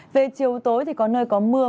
về chiều tối thì có nơi có mưa